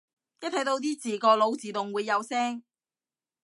一睇到啲字個腦自動會有聲